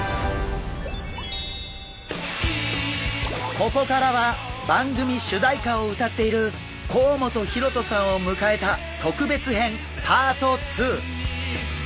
ここからは番組主題歌を歌っている甲本ヒロトさんを迎えた特別編パート２！